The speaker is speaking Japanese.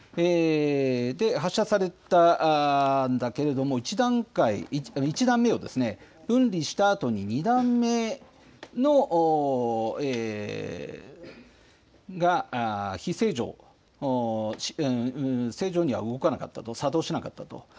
発射されたんだけれども、１段階、１段目をですね、分離したあとに、２段目が非正常、正常には動かなかったと、作動しなかったと。